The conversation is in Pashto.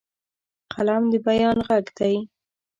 قلم د بیان غږ دی